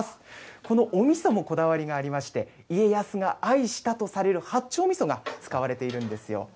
このおみそもこだわりがありまして、家康が愛したとされる八丁みそが使われているんですよ。